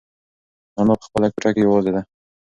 انا په خپله کوټه کې یوازې ده.